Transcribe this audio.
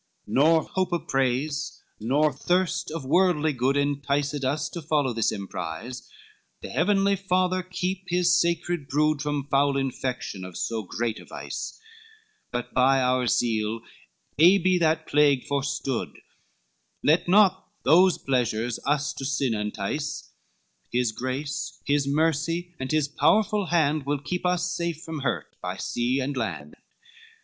LXXXIII "Nor hope of praise, nor thirst of worldly good, Enticed us to follow this emprise, The Heavenly Father keep his sacred brood From foul infection of so great a vice: But by our zeal aye be that plague withstood, Let not those pleasures us to sin entice. His grace, his mercy, and his powerful hand Will keep us safe from hurt by sea and land.